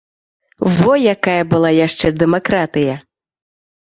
Во якая была яшчэ дэмакратыя!